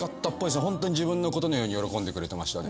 ホントに自分のことのように喜んでくれてましたね。